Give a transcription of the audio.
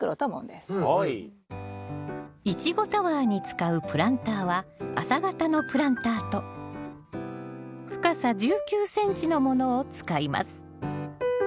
イチゴタワーに使うプランターは浅型のプランターと深さ１９ｃｍのものを使います。